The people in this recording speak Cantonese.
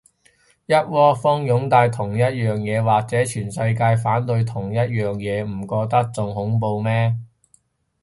一窩蜂擁戴同一樣嘢，或者全世界反對同一樣嘢，唔覺得仲恐怖咩